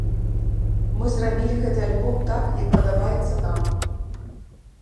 Мы зрабілі гэты альбом так, як падабаецца нам.